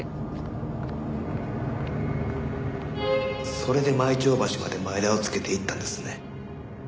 それで舞澄橋まで前田をつけていったんですね。